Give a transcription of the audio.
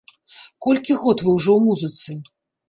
Колькі год вы ўжо ў музыцы?